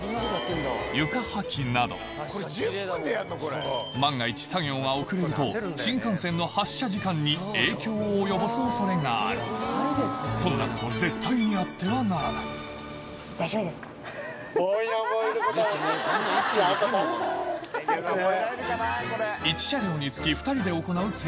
床掃きなど万が一作業が遅れると新幹線の発車時間に影響を及ぼす恐れがあるそんなこと絶対にあってはならない１車両につき２人で行う整備